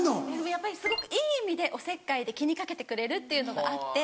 やっぱりすごくいい意味でおせっかいで気にかけてくれるっていうのがあって。